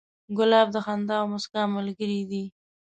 ګلاب د خندا او موسکا ملګری دی.